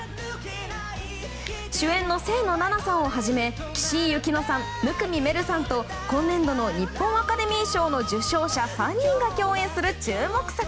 主演の清野菜名さんをはじめ岸井ゆきのさん、生見愛瑠さんと今年度の日本アカデミー賞の受賞者３人が共演する注目作。